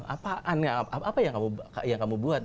apa yang kamu buat